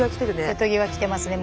瀬戸際来てますね